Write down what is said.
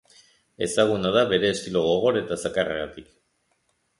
Ezaguna da bere estilo gogor eta zakarragatik.